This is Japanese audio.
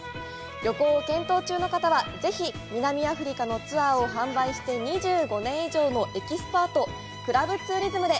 旅行を検討中の方はぜひ南アフリカのツアーを販売して２５年以上のエキスパート「クラブツーリズム」で！